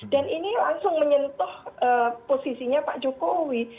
dan ini langsung menyentuh posisinya pak jokowi